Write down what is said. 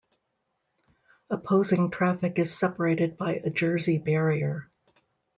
Opposing traffic is separated by a Jersey barrier.